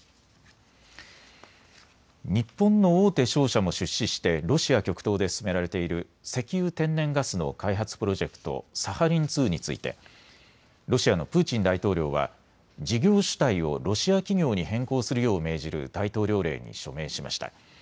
日本の大手商社も出資してロシア極東で進められている石油・天然ガスの開発プロジェクト、サハリン２についてロシアのプーチン大統領は事業主体をロシア企業に変更するよう命じる大統領令に署名しました。